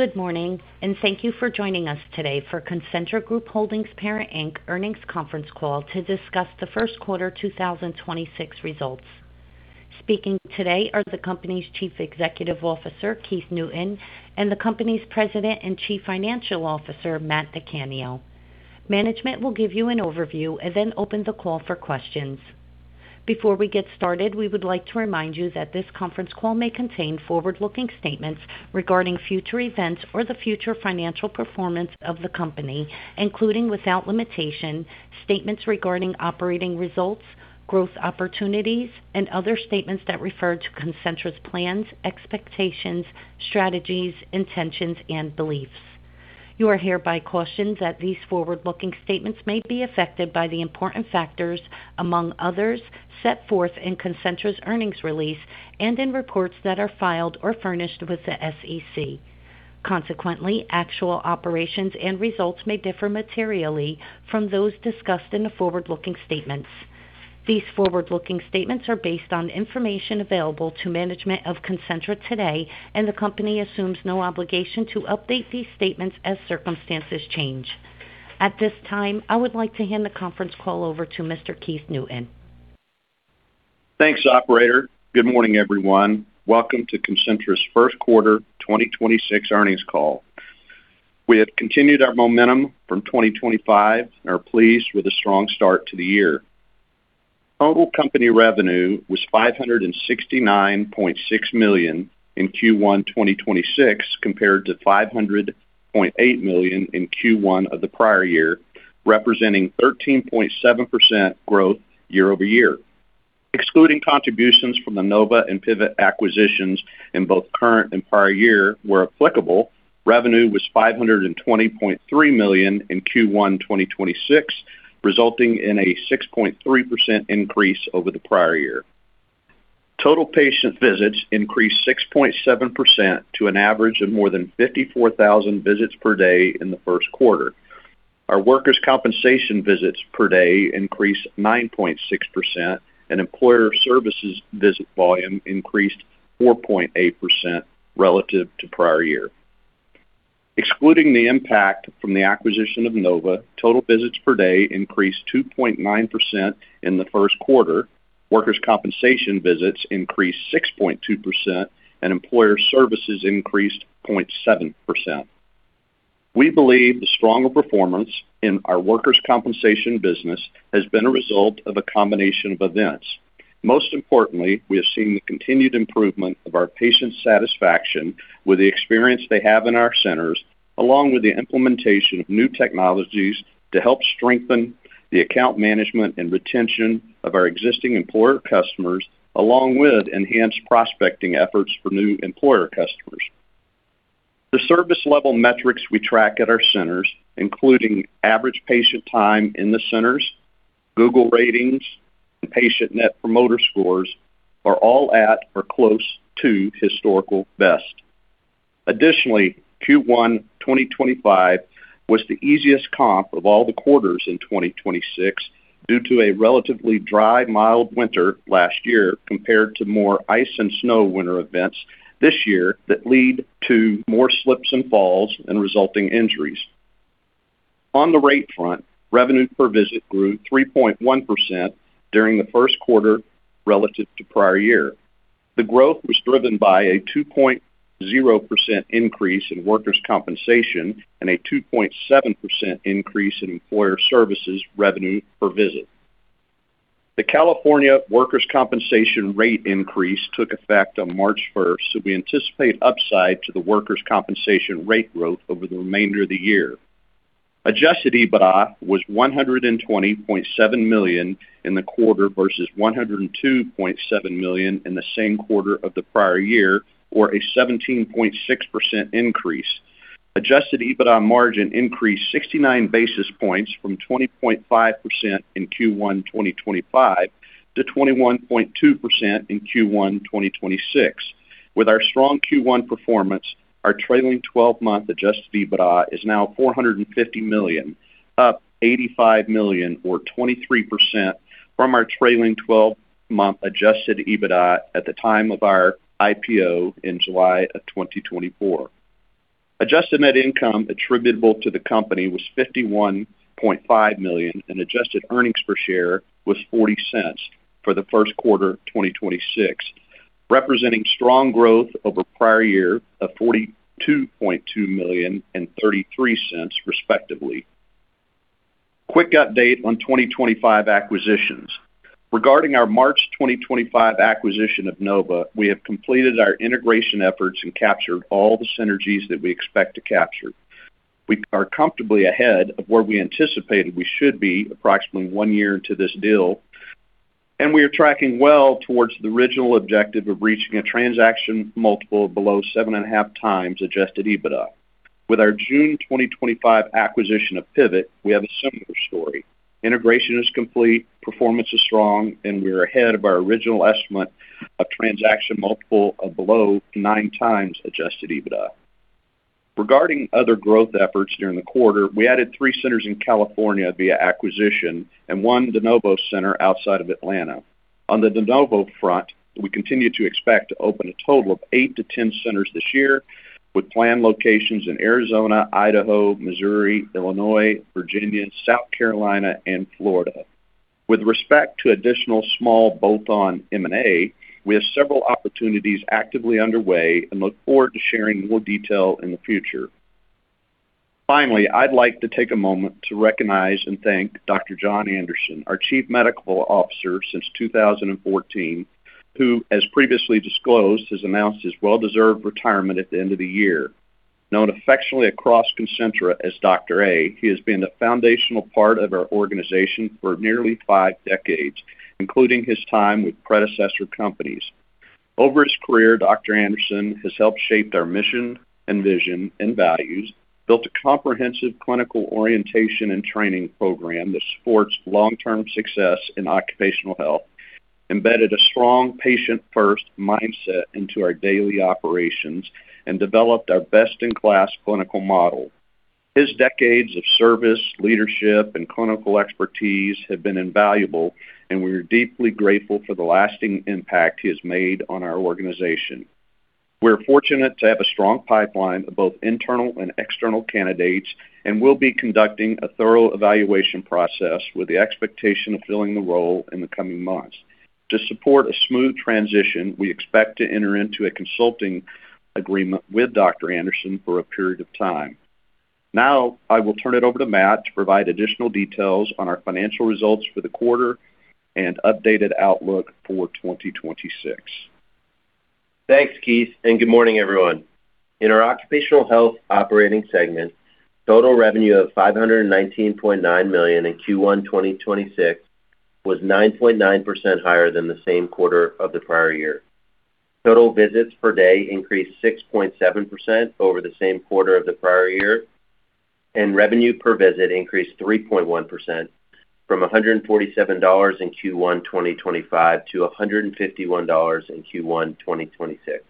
Good morning, and thank you for joining us today for Concentra Group Holdings Parent Inc. earnings conference call to discuss the first quarter 2026 results. Speaking today are the company's Chief Executive Officer, Keith Newton, and the company's President and Chief Financial Officer, Matthew DiCanio. Management will give you an overview and then open the call for questions. Before we get started, we would like to remind you that this conference call may contain forward-looking statements regarding future events or the future financial performance of the company, including without limitation, statements regarding operating results, growth opportunities, and other statements that refer to Concentra's plans, expectations, strategies, intentions, and beliefs. You are hereby cautioned that these forward-looking statements may be affected by the important factors, among others, set forth in Concentra's earnings release and in reports that are filed or furnished with the SEC. Consequently, actual operations and results may differ materially from those discussed in the forward-looking statements. These forward-looking statements are based on information available to management of Concentra today, and the company assumes no obligation to update these statements as circumstances change. At this time, I would like to hand the conference call over to Mr. Keith Newton. Thanks, operator. Good morning, everyone. Welcome to Concentra's first quarter 2026 earnings call. We have continued our momentum from 2025 and are pleased with a strong start to the year. Total company revenue was $569.6 million in Q1 2026 compared to $500.8 million in Q1 of the prior year, representing 13.7% growth year-over-year. Excluding contributions from the Nova and Pivot acquisitions in both current and prior year, where applicable, revenue was $520.3 million in Q1 2026, resulting in a 6.3% increase over the prior year. Total patient visits increased 6.7% to an average of more than 54,000 visits per day in the first quarter. Our workers' compensation visits per day increased 9.6%, and employer services visit volume increased 4.8% relative to prior year. Excluding the impact from the acquisition of Nova, total visits per day increased 2.9% in the first quarter. Workers' compensation visits increased 6.2%, and employer services increased 0.7%. We believe the stronger performance in our workers' compensation business has been a result of a combination of events. Most importantly, we have seen the continued improvement of our patient satisfaction with the experience they have in our centers, along with the implementation of new technologies to help strengthen the account management and retention of our existing employer customers, along with enhanced prospecting efforts for new employer customers. The service level metrics we track at our centers, including average patient time in the centers, Google ratings, and patient Net Promoter Scores, are all at or close to historical best. Additionally, Q1 2025 was the easiest comp of all the quarters in 2026 due to a relatively dry, mild winter last year compared to more ice and snow winter events this year that lead to more slips and falls and resulting injuries. On the rate front, revenue per visit grew 3.1% during the first quarter relative to prior year. The growth was driven by a 2.0% increase in workers' compensation and a 2.7% increase in employer services revenue per visit. The California workers' compensation rate increase took effect on March 1st. We anticipate upside to the workers' compensation rate growth over the remainder of the year. Adjusted EBITDA was $120.7 million in the quarter versus $102.7 million in the same quarter of the prior year, or a 17.6% increase. Adjusted EBITDA margin increased 69 basis points from 20.5% in Q1 2025 to 21.2% in Q1 2026. With our strong Q1 performance, our trailing 12-month Adjusted EBITDA is now $450 million, up $85 million or 23% from our trailing 12-month Adjusted EBITDA at the time of our IPO in July of 2024. Adjusted net income attributable to the company was $51.5 million, and Adjusted earnings per share was $0.40 for the first quarter 2026, representing strong growth over prior year of $42.2 million and $0.33, respectively. Quick update on 2025 acquisitions. Regarding our March 2025 acquisition of Nova, we have completed our integration efforts and captured all the synergies that we expect to capture. We are comfortably ahead of where we anticipated we should be approximately one year into this deal, and we are tracking well towards the original objective of reaching a transaction multiple below 7.5x Adjusted EBITDA. With our June 2025 acquisition of Pivot, we have a similar story. Integration is complete, performance is strong, and we are ahead of our original estimate of transaction multiple of below 9x Adjusted EBITDA. Regarding other growth efforts during the quarter, we added three centers in California via acquisition and one de novo center outside of Atlanta. On the de novo front, we continue to expect to open a total of eight to 10 centers this year, with planned locations in Arizona, Idaho, Missouri, Illinois, Virginia, South Carolina, and Florida. With respect to additional small bolt-on M&A, we have several opportunities actively underway and look forward to sharing more detail in the future. Finally, I'd like to take a moment to recognize and thank Dr. John Anderson, our Chief Medical Officer since 2014, who, as previously disclosed, has announced his well-deserved retirement at the end of the year. Known affectionately across Concentra as Dr. A, he has been a foundational part of our organization for nearly five decades, including his time with predecessor companies. Over his career, Dr. Anderson has helped shape their mission and vision and values, built a comprehensive clinical orientation and training program that supports long-term success in Occupational Health, embedded a strong patient-first mindset into our daily operations, and developed our best-in-class clinical model. His decades of service, leadership, and clinical expertise have been invaluable, and we are deeply grateful for the lasting impact he has made on our organization. We're fortunate to have a strong pipeline of both internal and external candidates, and we'll be conducting a thorough evaluation process with the expectation of filling the role in the coming months. To support a smooth transition, we expect to enter into a consulting agreement with Dr. Anderson for a period of time. Now, I will turn it over to Matt to provide additional details on our financial results for the quarter and updated outlook for 2026. Thanks, Keith. Good morning, everyone. In our Occupational Health operating segment, total revenue of $519.9 million in Q1 2026 was 9.9% higher than the same quarter of the prior year. Total visits per day increased 6.7% over the same quarter of the prior year. Revenue per visit increased 3.1% from $147 in Q1 2025 to $151 in Q1 2026.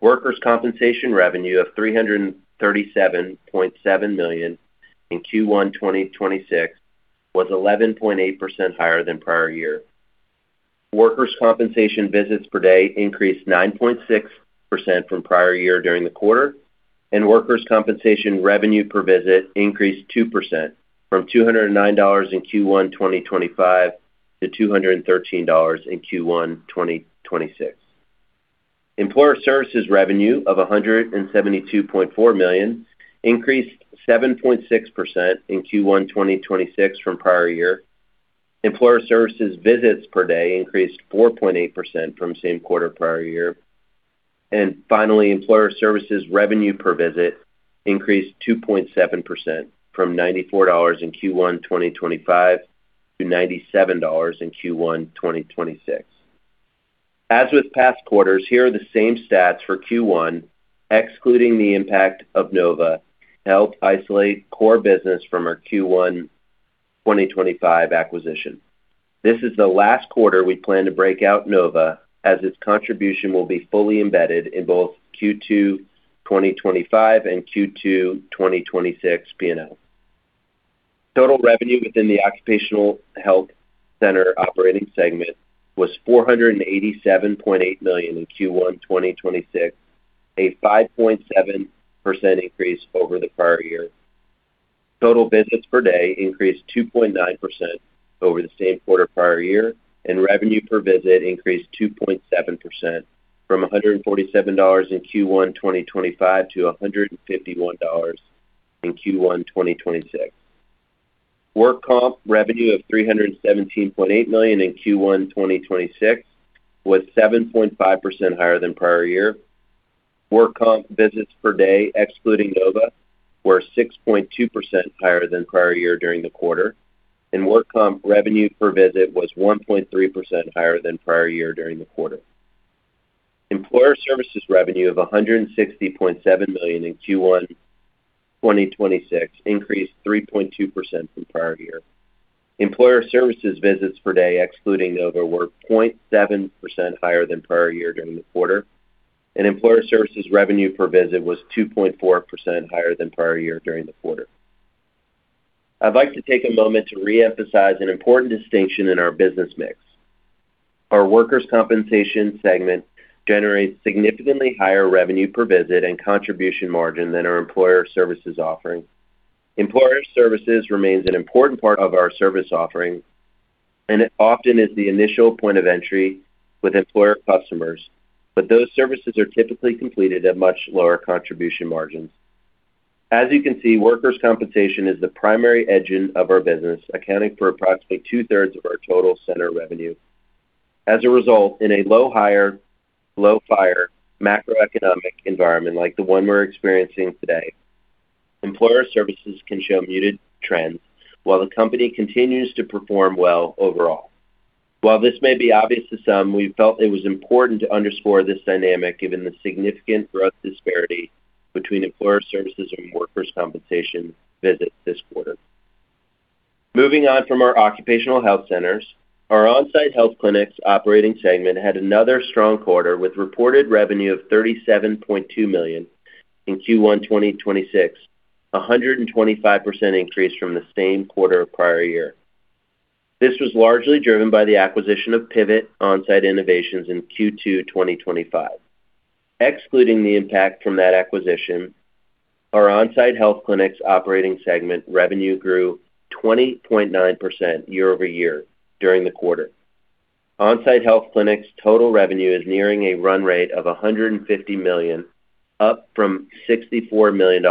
Workers' compensation revenue of $337.7 million in Q1 2026 was 11.8% higher than prior year. Workers' compensation visits per day increased 9.6% from prior year during the quarter, and workers' compensation revenue per visit increased 2% from $209 in Q1 2025 to $213 in Q1 2026. Employer services revenue of $172.4 million increased 7.6% in Q1 2026 from prior year. Employer services visits per day increased 4.8% from same quarter prior year. Finally, employer services revenue per visit increased 2.7% from $94 in Q1 2025 to $97 in Q1 2026. As with past quarters, here are the same stats for Q1, excluding the impact of Nova to help isolate core business from our Q1 2025 acquisition. This is the last quarter we plan to break out Nova, as its contribution will be fully embedded in both Q2 2025 and Q2 2026 P&L. Total revenue within the Occupational Health center operating segment was $487.8 million in Q1 2026, a 5.7% increase over the prior year. Total visits per day increased 2.9% over the same quarter prior year, and revenue per visit increased 2.7% from $147 in Q1 2025 to $151 in Q1 2026. Work comp revenue of $317.8 million in Q1 2026 was 7.5% higher than prior year. Work comp visits per day, excluding Nova, were 6.2% higher than prior year during the quarter. Work comp revenue per visit was 1.3% higher than prior year during the quarter. Employer services revenue of $160.7 million in Q1 2026 increased 3.2% from prior year. Employer services visits per day, excluding Nova, were 0.7% higher than prior year during the quarter. Employer services revenue per visit was 2.4% higher than prior year during the quarter. I'd like to take a moment to reemphasize an important distinction in our business mix. Our workers' compensation segment generates significantly higher revenue per visit and contribution margin than our employer services offering. Employer services remains an important part of our service offering, and it often is the initial point of entry with employer customers, but those services are typically completed at much lower contribution margins. As you can see, workers' compensation is the primary engine of our business, accounting for approximately 2/3 of our total center revenue. As a result, in a low hire, low fire macroeconomic environment like the one we're experiencing today, employer services can show muted trends while the company continues to perform well overall. While this may be obvious to some, we felt it was important to underscore this dynamic given the significant growth disparity between employer services and workers' compensation visits this quarter. Moving on from our Occupational Health centers, our onsite health clinics operating segment had another strong quarter with reported revenue of $37.2 million. In Q1 2026, a 125% increase from the same quarter of prior year. This was largely driven by the acquisition of Pivot Onsite Innovations in Q2 2025. Excluding the impact from that acquisition, our On-Site Health Clinics operating segment revenue grew 20.9% year-over-year during the quarter. On-Site Health Clinics total revenue is nearing a run rate of $150 million, up from $64 million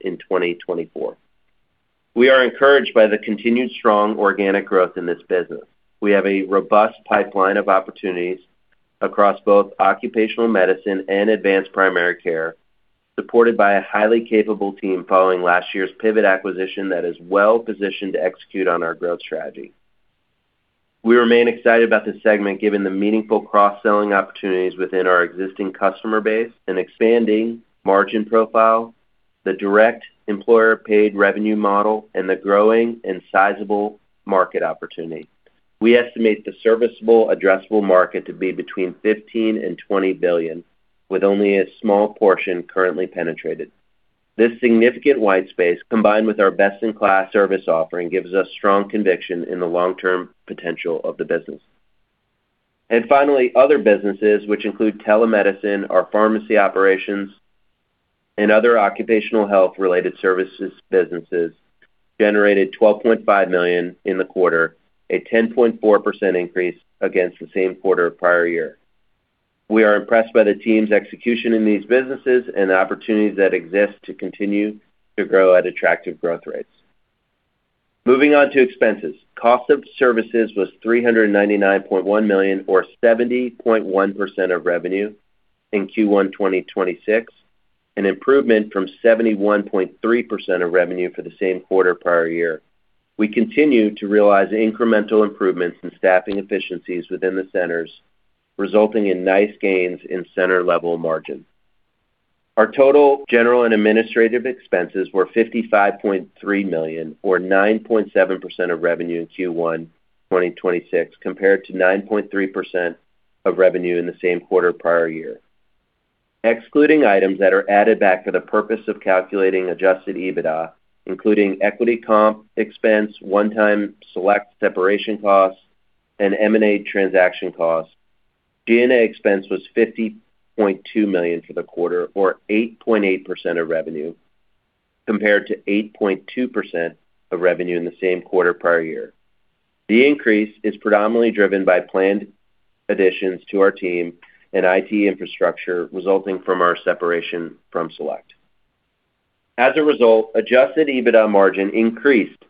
in 2024. We are encouraged by the continued strong organic growth in this business. We have a robust pipeline of opportunities across both occupational medicine and advanced primary care, supported by a highly capable team following last year's Pivot acquisition that is well-positioned to execute on our growth strategy. We remain excited about this segment given the meaningful cross-selling opportunities within our existing customer base and expanding margin profile, the direct employer-paid revenue model, and the growing and sizable market opportunity. We estimate the serviceable addressable market to be between $15 billion and $20 billion, with only a small portion currently penetrated. This significant white space, combined with our best-in-class service offering, gives us strong conviction in the long-term potential of the business. Finally, other businesses, which include telemedicine, our pharmacy operations, and other Occupational Health-related services businesses, generated $12.5 million in the quarter, a 10.4% increase against the same quarter of prior year. We are impressed by the team's execution in these businesses and the opportunities that exist to continue to grow at attractive growth rates. Moving on to expenses. Cost of services was $399.1 million, or 70.1% of revenue in Q1 2026, an improvement from 71.3% of revenue for the same quarter prior year. We continue to realize incremental improvements in staffing efficiencies within the centers, resulting in nice gains in center-level margin. Our total general and administrative expenses were $55.3 million, or 9.7% of revenue in Q1 2026, compared to 9.3% of revenue in the same quarter prior year. Excluding items that are added back for the purpose of calculating Adjusted EBITDA, including equity comp expense, one-time Select separation costs, and M&A transaction costs, G&A expense was $50.2 million for the quarter, or 8.8% of revenue, compared to 8.2% of revenue in the same quarter prior year. The increase is predominantly driven by planned additions to our team and IT infrastructure resulting from our separation from Select. As a result, Adjusted EBITDA margin increased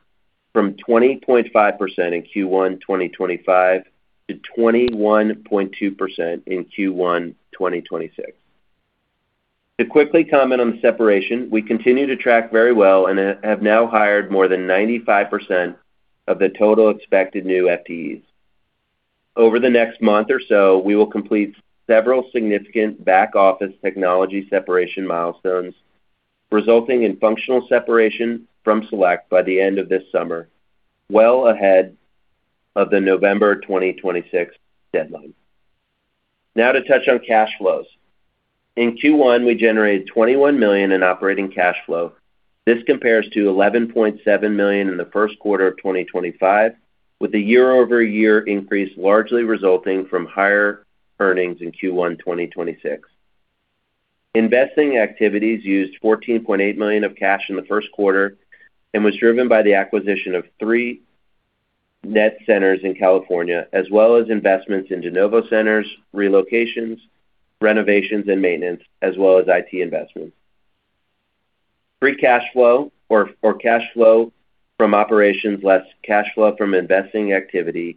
from 20.5% in Q1 2025 to 21.2% in Q1 2026. To quickly comment on the separation, we continue to track very well and have now hired more than 95% of the total expected new FTEs. Over the next month or so, we will complete several significant back-office technology separation milestones, resulting in functional separation from Select by the end of this summer, well ahead of the November 2026 deadline. To touch on cash flows. In Q1, we generated $21 million in operating cash flow. This compares to $11.7 million in the first quarter of 2025, with a year-over-year increase largely resulting from higher earnings in Q1 2026. Investing activities used $14.8 million of cash in the first quarter and was driven by the acquisition of three net centers in California, as well as investments in de novo centers, relocations, renovations, and maintenance, as well as IT investments. Free Cash Flow, or cash flow from operations less cash flow from investing activity,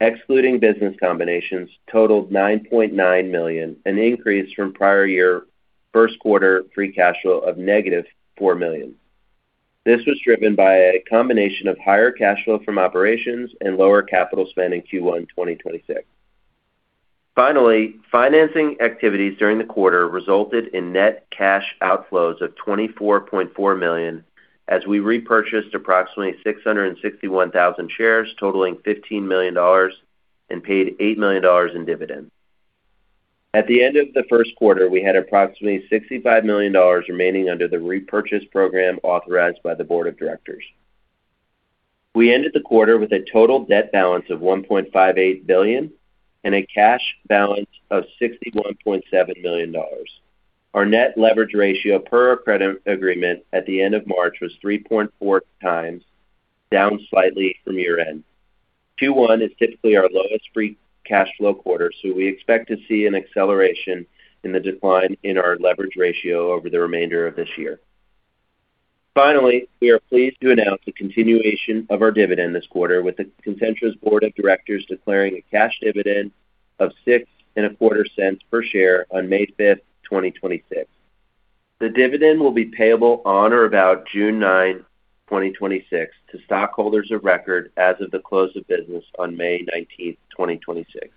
excluding business combinations, totaled $9.9 million, an increase from prior year first quarter Free Cash Flow of negative $4 million. This was driven by a combination of higher cash flow from operations and lower capital spend in Q1 2026. Financing activities during the quarter resulted in net cash outflows of $24.4 million as we repurchased approximately 661,000 shares totaling $15 million and paid $8 million in dividends. At the end of the first quarter, we had approximately $65 million remaining under the repurchase program authorized by the board of directors. We ended the quarter with a total debt balance of $1.58 billion and a cash balance of $61.7 million. Our net leverage ratio per our credit agreement at the end of March was 3.4x, down slightly from year-end. Q1 is typically our lowest Free Cash Flow quarter, so we expect to see an acceleration in the decline in our leverage ratio over the remainder of this year. Finally, we are pleased to announce the continuation of our dividend this quarter with Concentra's board of directors declaring a cash dividend of $0.0625 per share on May 5, 2026. The dividend will be payable on or about June 9, 2026, to stockholders of record as of the close of business on May 19, 2026.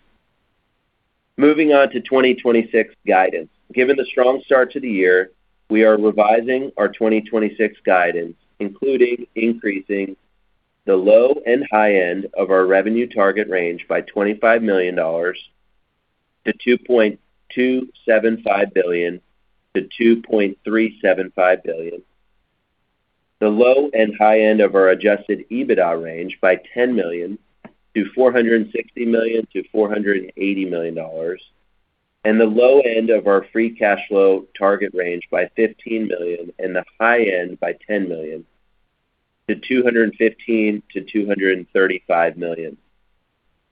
Moving on to 2026 guidance. Given the strong start to the year, we are revising our 2026 guidance, including increasing the low and high end of our revenue target range by $25 million-$2.275 billion-$2.375 billion. The low and high end of our Adjusted EBITDA range by $10 million-$460 million-$480 million. The low end of our Free Cash Flow target range by $15 million and the high end by $10 million-$215 million-$235 million.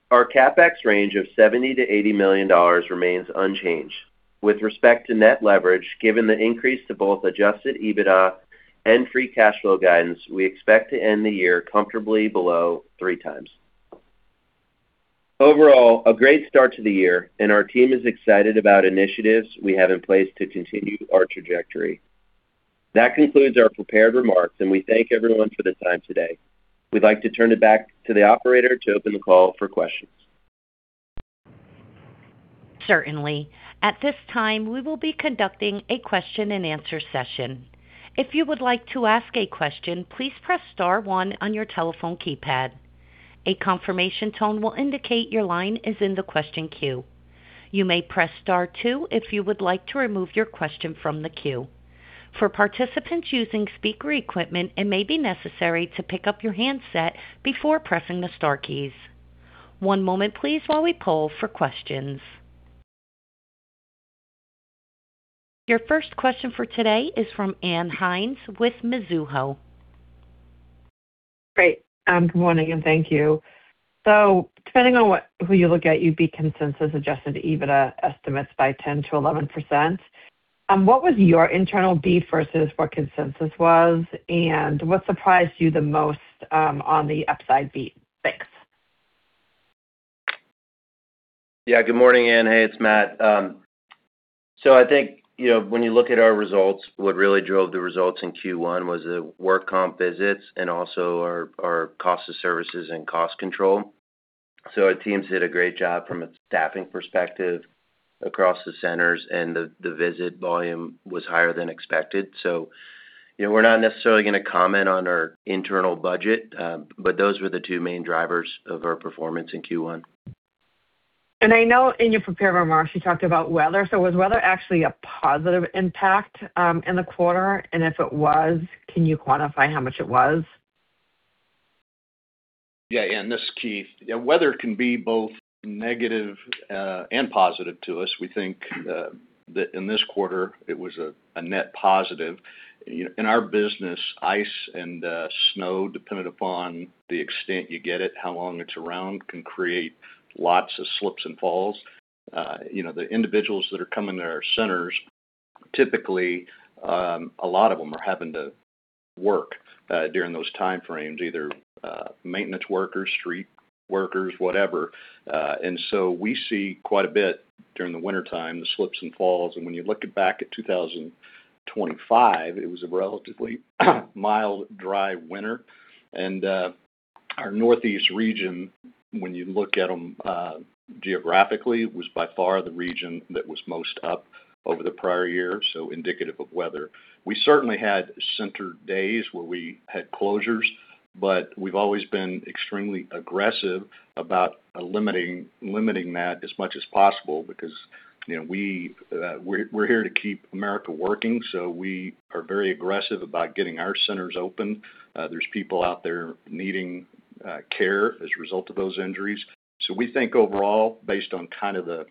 Our CapEx range of $70 million-$80 million remains unchanged. With respect to net leverage, given the increase to both Adjusted EBITDA and Free Cash Flow guidance, we expect to end the year comfortably below 3x. Overall, a great start to the year, and our team is excited about initiatives we have in place to continue our trajectory. That concludes our prepared remarks, and we thank everyone for their time today. We'd like to turn it back to the operator to open the call for questions. Certainly, at this time we will be conducting a question-and-answer session. If you would like to ask a question, please press star one on your telephone keypad. A confirmation tone will indicate your line question queue. You may press star two if you would to remove your question from the queue. For participants using a speaker equipment, it may be necessary to pick up your handset before pressing the star keys. One moment before we call for questions. Your first question for today is from Ann Hynes with Mizuho. Great. Good morning, and thank you. Depending on who you look at, you beat consensus-adjusted EBITDA estimates by 10%-11%. What was your internal beat versus what consensus was? What surprised you the most, on the upside beat? Thanks. Yeah. Good morning, Ann Hynes. Hey, it's Matthew. I think, you know, when you look at our results, what really drove the results in Q1 was the work comp visits and also our cost of services and cost control. Our teams did a great job from a staffing perspective across the centers, and the visit volume was higher than expected. You know, we're not necessarily gonna comment on our internal budget, but those were the two main drivers of our performance in Q1. I know in your prepared remarks, you talked about weather. Was weather actually a positive impact in the quarter? If it was, can you quantify how much it was? Ann, this is Keith. Weather can be both negative and positive to us. We think that in this quarter it was a net positive. In our business, ice and snow, dependent upon the extent you get it, how long it's around, can create lots of slips and falls. You know, the individuals that are coming to our centers, typically, a lot of them are having to work during those time frames, either maintenance workers, street workers, whatever. We see quite a bit during the wintertime, the slips and falls. When you look back at 2025, it was a relatively mild, dry winter. Our Northeast region, when you look at them geographically, was by far the region that was most up over the prior year, so indicative of weather. We certainly had center days where we had closures. We've always been extremely aggressive about limiting that as much as possible because, you know, we're here to keep America working. We are very aggressive about getting our centers open. There's people out there needing care as a result of those injuries. We think overall, based on kind of the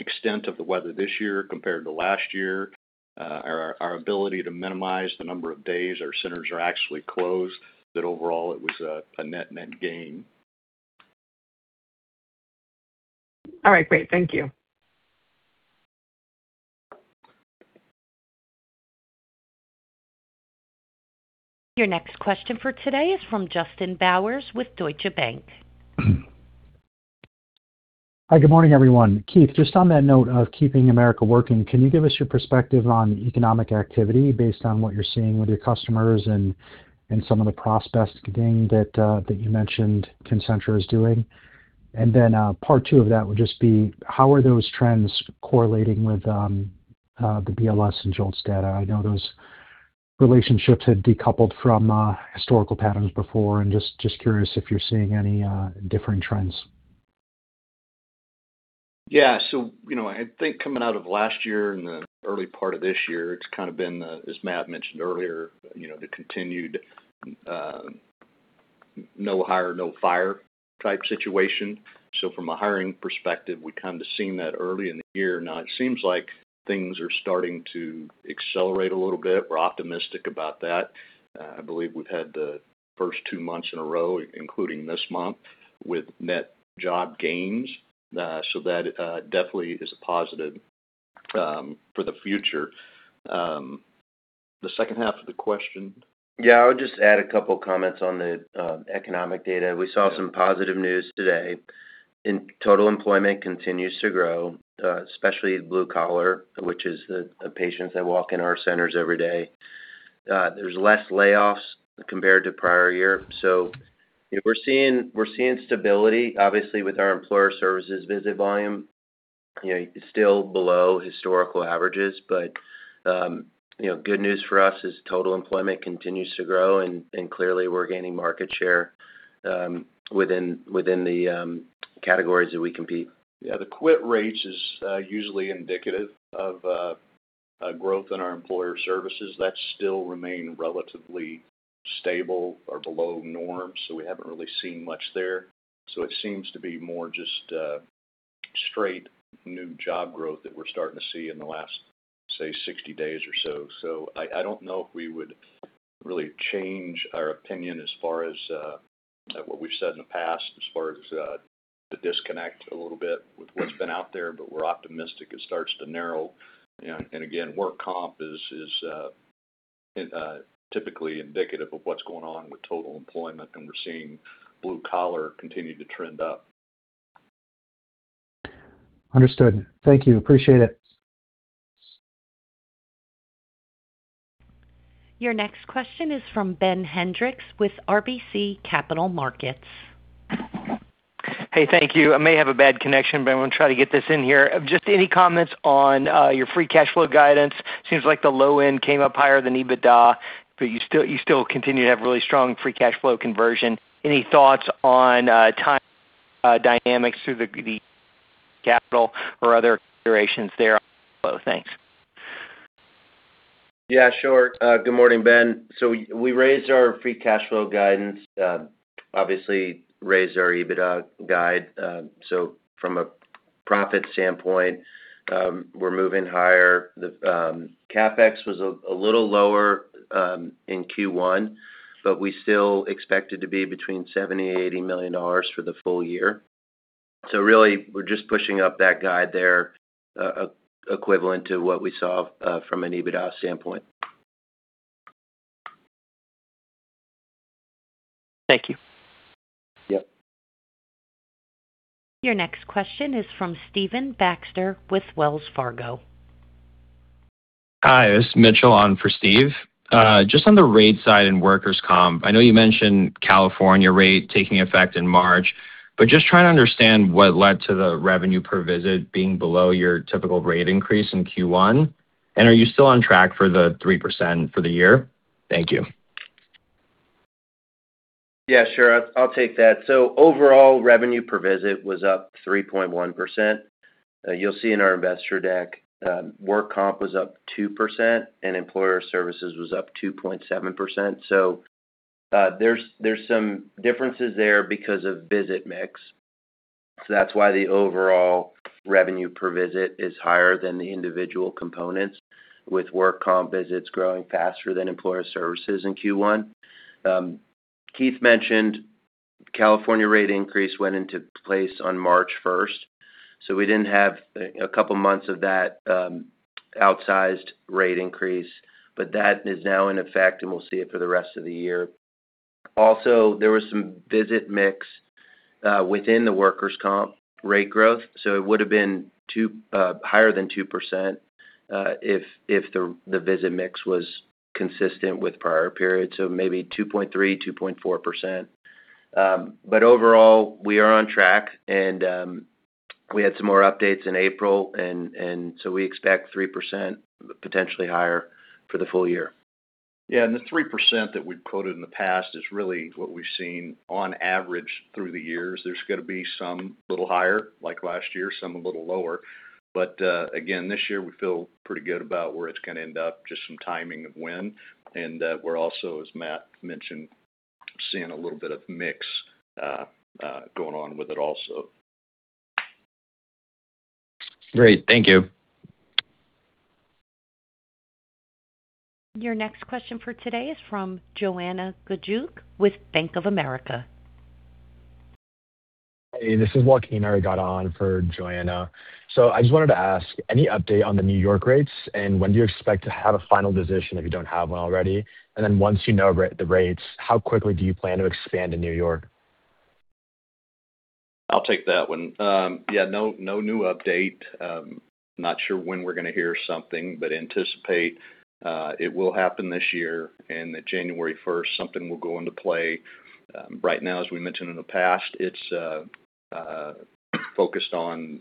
extent of the weather this year compared to last year, our ability to minimize the number of days our centers are actually closed, that overall it was a net gain. All right, great. Thank you. Your next question for today is from Justin Bowers with Deutsche Bank. Hi, good morning, everyone. Keith, just on that note of keeping America working, can you give us your perspective on economic activity based on what you're seeing with your customers and some of the prospecting that you mentioned Concentra is doing? Part two of that would just be, how are those trends correlating with the BLS and JOLTS data? I know those relationships have decoupled from historical patterns before, and just curious if you're seeing any differing trends. Yeah. You know, I think coming out of last year and the early part of this year, it's kind of been, as Matt mentioned earlier, you know, the continued, no hire, no fire type situation. From a hiring perspective, we've kind of seen that early in the year. Now, it seems like things are starting to accelerate a little bit. We're optimistic about that. I believe we've had the first two months in a row, including this month, with net job gains. That definitely is a positive for the future. The second half of the question. Yeah. I would just add a couple comments on the economic data. We saw some positive news today. Total employment continues to grow, especially blue-collar, which is the patients that walk in our centers every day. There's less layoffs compared to prior year. You know, we're seeing stability, obviously, with our employer services visit volume. You know, it's still below historical averages. You know, good news for us is total employment continues to grow, and clearly we're gaining market share within the categories that we compete. Yeah, the quit rates is usually indicative of a growth in our employer services. That still remain relatively stable or below norm, so we haven't really seen much there. It seems to be more just straight new job growth that we're starting to see in the last, say, 60 days or so. I don't know if we would really change our opinion as far as what we've said in the past as far as the disconnect a little bit with what's been out there, but we're optimistic it starts to narrow. You know, and again, work comp is typically indicative of what's going on with total employment, and we're seeing blue collar continue to trend up. Understood. Thank you. Appreciate it. Your next question is from Ben Hendrix with RBC Capital Markets. Hey, thank you. I may have a bad connection, but I want to try to get this in here. Just any comments on your Free Cash Flow guidance. Seems like the low end came up higher than EBITDA, but you still continue to have really strong Free Cash Flow conversion. Any thoughts on time dynamics through the capital or other considerations there? Thanks. Yeah, sure. Good morning, Ben. We raised our Free Cash Flow guidance, obviously raised our EBITDA guide. From a profit standpoint, we're moving higher. The CapEx was a little lower in Q1, we still expect it to be between $70 million-$80 million for the full year. Really, we're just pushing up that guide there, equivalent to what we saw from an EBITDA standpoint. Thank you. Yep. Your next question is from Stephen Baxter with Wells Fargo. Hi, this is Mitchell on for Steve. Just on the rate side in workers' comp, I know you mentioned California rate taking effect in March, just trying to understand what led to the revenue per visit being below your typical rate increase in Q1. Are you still on track for the 3% for the year? Thank you. Yeah, sure. I'll take that. Overall, revenue per visit was up 3.1%. You'll see in our investor deck, work comp was up 2%, and employer services was up 2.7%. There's some differences there because of visit mix. That's why the overall revenue per visit is higher than the individual components with work comp visits growing faster than employer services in Q1. Keith mentioned California rate increase went into place on March 1st. We didn't have a couple months of that outsized rate increase, but that is now in effect, and we'll see it for the rest of the year. There was some visit mix within the workers' comp rate growth, so it would have been higher than 2%, if the visit mix was consistent with prior periods. Maybe 2.3%, 2.4%. Overall, we are on track. We had some more updates in April, and we expect 3%, potentially higher for the full year. Yeah, the 3% that we've quoted in the past is really what we've seen on average through the years. There's going to be some a little higher, like last year, some a little lower. Again, this year we feel pretty good about where it's going to end up, just some timing of when. We're also, as Matthew DiCanio mentioned, seeing a little bit of mix going on with it also. Great. Thank you. Your next question for today is from Joanna Gajuk with Bank of America. Hey, this is Joaquin. I got on for Joanna. I just wanted to ask. Any update on the New York rates and when do you expect to have a final decision if you don't have one already? Once you know the rates, how quickly do you plan to expand in New York? I'll take that one. No new update. Not sure when we're going to hear something, but anticipate it will happen this year and that January 1st, something will go into play. Right now, as we mentioned in the past, it's focused on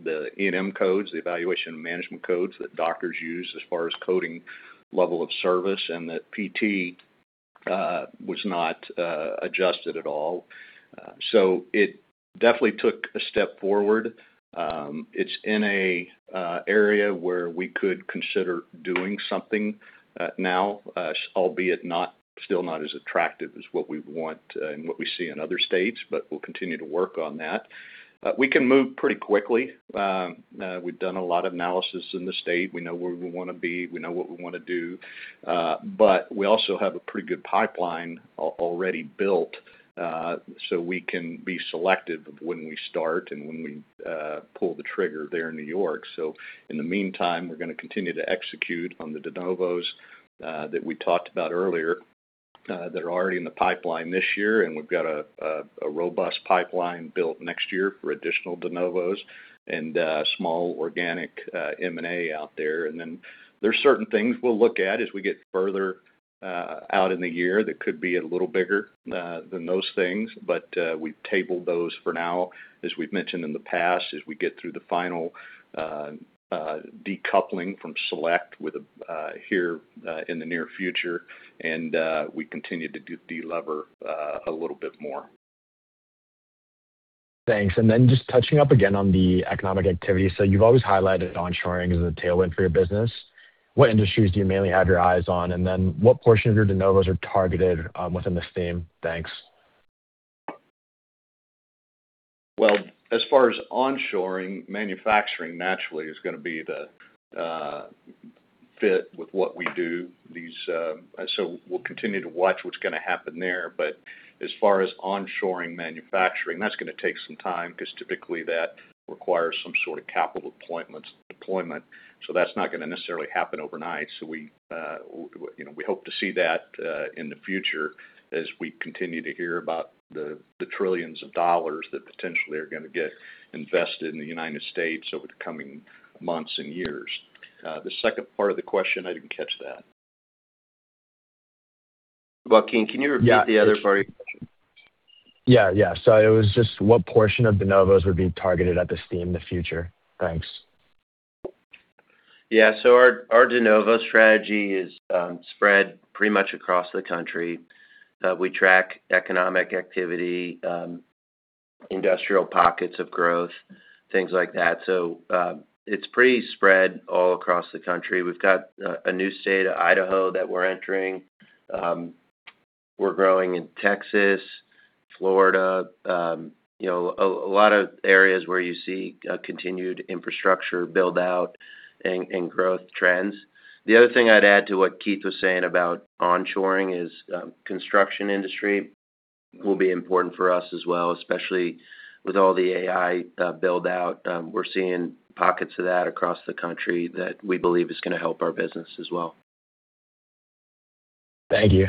the E&M codes, the evaluation and management codes that doctors use as far as coding level of service, and that PT was not adjusted at all. It definitely took a step forward. It's in an area where we could consider doing something now, albeit still not as attractive as what we want and what we see in other states. We'll continue to work on that. We can move pretty quickly. We've done a lot of analysis in the state. We know where we want to be, we know what we want to do. We also have a pretty good pipeline already built, so we can be selective of when we start and when we pull the trigger there in New York. In the meantime, we're going to continue to execute on the de novos that we talked about earlier that are already in the pipeline this year. We've got a robust pipeline built next year for additional de novos and small organic M&A out there. There's certain things we'll look at as we get further out in the year that could be a little bigger than those things. We've tabled those for now, as we've mentioned in the past, as we get through the final decoupling from Select with here in the near future. We continue to delever a little bit more. Thanks. Just touching up again on the economic activity. You've always highlighted onshoring as a tailwind for your business. What industries do you mainly have your eyes on? What portion of your de novos are targeted within this theme? Thanks. Well, as far as onshoring, manufacturing naturally is gonna be the fit with what we do. We'll continue to watch what's gonna happen there. As far as onshoring manufacturing, that's gonna take some time because typically that requires some sort of capital deployment, so that's not gonna necessarily happen overnight. We, you know, we hope to see that in the future as we continue to hear about the trillions of dollars that potentially are gonna get invested in the U.S. over the coming months and years. The second part of the question, I didn't catch that. Joaquin, can you repeat the other part of your question? Yeah. It was just what portion of de novos would be targeted at this theme in the future? Thanks. Yeah. Our de novo strategy is spread pretty much across the country. We track economic activity, industrial pockets of growth, things like that. It's pretty spread all across the country. We've got a new state, Idaho, that we're entering. We're growing in Texas, Florida, you know, a lot of areas where you see continued infrastructure build-out and growth trends. The other thing I'd add to what Keith was saying about onshoring is construction industry will be important for us as well, especially with all the AI build-out. We're seeing pockets of that across the country that we believe is gonna help our business as well. Thank you.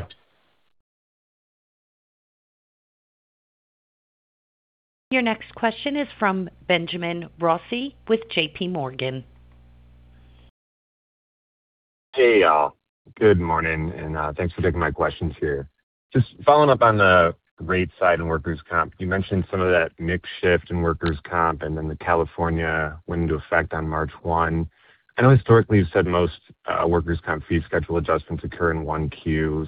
Your next question is from Benjamin Rossi with JPMorgan. Hey, y'all. Good morning, and thanks for taking my questions here. Just following up on the rate side in workers' comp, you mentioned some of that mix shift in workers' comp. The California went into effect on March 1st. I know historically you've said most workers' comp fee schedule adjustments occur in 1Q.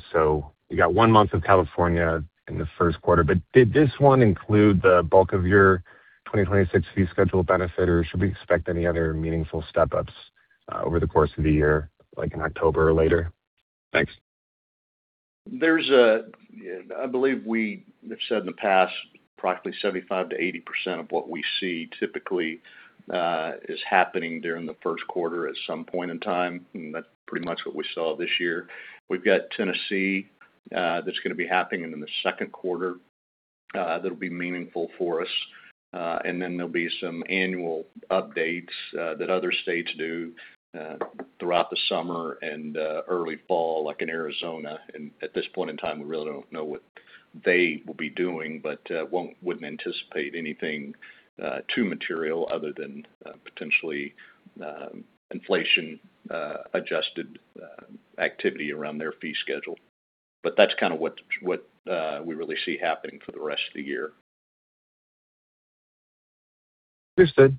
You got one month of California in the first quarter, but did this one include the bulk of your 2026 fee schedule benefit, or should we expect any other meaningful step-ups over the course of the year, like in October or later? Thanks. I believe we have said in the past, approximately 75%-80% of what we see typically, is happening during the first quarter at some point in time. That's pretty much what we saw this year. We've got Tennessee that's gonna be happening in the second quarter, that'll be meaningful for us. Then there'll be some annual updates that other states do throughout the summer and early fall, like in Arizona. At this point in time, we really don't know what they will be doing, but wouldn't anticipate anything too material other than potentially inflation adjusted activity around their fee schedule. That's kind of what we really see happening for the rest of the year. Understood.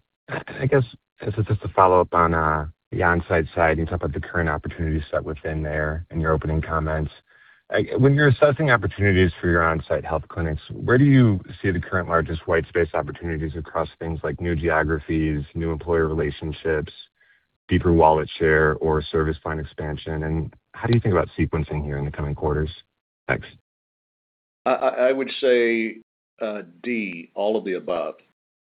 I guess as just a follow-up on, the onsite side, you talked about the current opportunity set within there in your opening comments. When you're assessing opportunities for your onsite health clinics, where do you see the current largest white space opportunities across things like new geographies, new employer relationships, deeper wallet share, or service line expansion? How do you think about sequencing here in the coming quarters? Thanks. I would say, D, all of the above.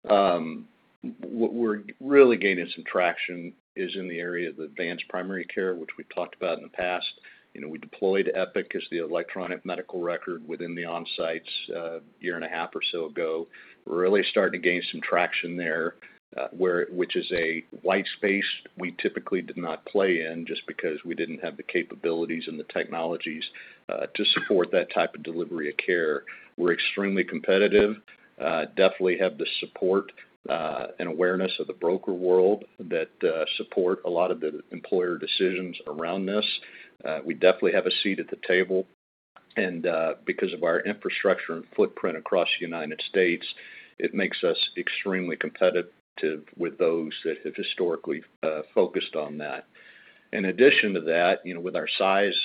We're really gaining some traction is in the area of advanced primary care, which we've talked about in the past. You know, we deployed Epic as the electronic medical record within the onsites, a year and a half or so ago. We're really starting to gain some traction there, which is a white space we typically did not play in just because we didn't have the capabilities and the technologies, to support that type of delivery of care. We're extremely competitive, definitely have the support and awareness of the broker world that support a lot of the employer decisions around this. We definitely have a seat at the table. Because of our infrastructure and footprint across the U.S., it makes us extremely competitive with those that have historically focused on that. In addition to that, you know, with our size,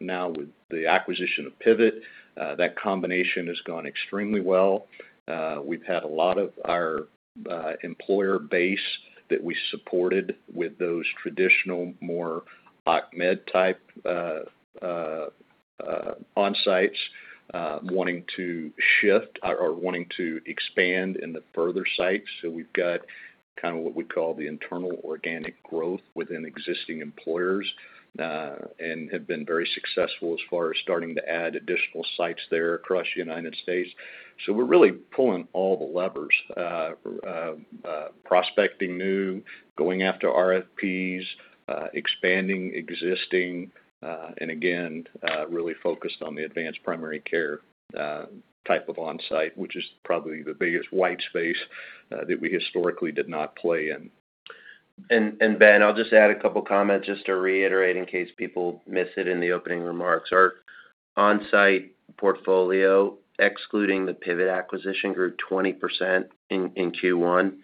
now with the acquisition of Pivot, that combination has gone extremely well. We've had a lot of our employer base that we supported with those traditional, more occ med type onsites, wanting to shift or wanting to expand in the further sites. We've got kind of what we call the internal organic growth within existing employers and have been very successful as far as starting to add additional sites there across the U.S. We're really pulling all the levers, prospecting new, going after RFPs, expanding existing, and again, really focused on the advanced primary care type of onsite, which is probably the biggest white space that we historically did not play in. Ben, I'll just add a couple comments just to reiterate in case people missed it in the opening remarks. Our onsite portfolio, excluding the Pivot acquisition, grew 20% in Q1.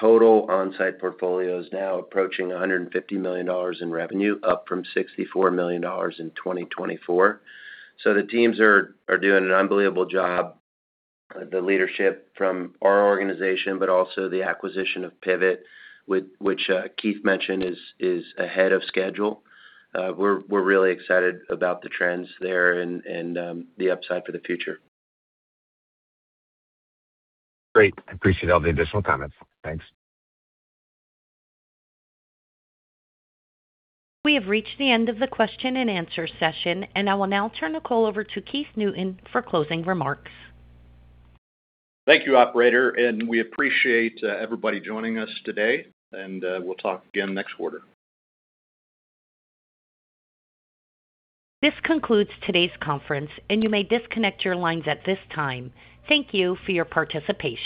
Total onsite portfolio is now approaching $150 million in revenue, up from $64 million in 2024. The teams are doing an unbelievable job. The leadership from our organization, but also the acquisition of Pivot, which Keith mentioned is ahead of schedule. We're really excited about the trends there and the upside for the future. Great. I appreciate all the additional comments. Thanks. We have reached the end of the question-and-answer session, and I will now turn the call over to Keith Newton for closing remarks. Thank you, operator. We appreciate everybody joining us today. We'll talk again next quarter. This concludes today's conference, and you may disconnect your lines at this time. Thank you for your participation.